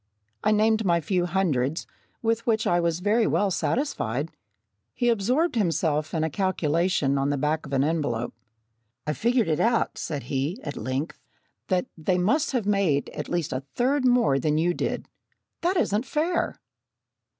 I named my few hundreds, with which I was very well satisfied. He absorbed himself in a calculation on the back of an envelope. "I figure out," said he, at length, "that they must have made at least a third more than you did. That isn't fair!"